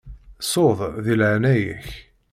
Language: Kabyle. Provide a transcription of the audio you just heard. Ssu-d, deg leɛnaya-k.